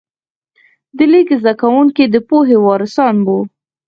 د لیک زده کوونکي د پوهې وارثان وو.